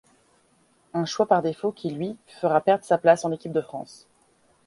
Un choix par défaut qui lui fera perdre sa place en équipe de France.